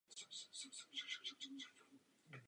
O své pravé tělo přišel a žije v těle kočky.